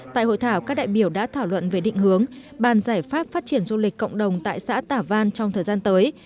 tại hội thảo các đại biểu đã thảo luận về định hướng bàn giải pháp phát triển du lịch cộng đồng tại xã tả văn trong thời gian tới